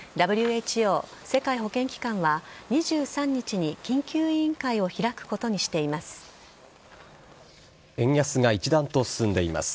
ＷＨＯ＝世界保健機関は２３日に緊急委員会を開くことに円安が一段と進んでいます。